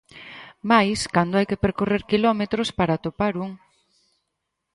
Máis, cando hai que percorrer quilómetros para atopar un.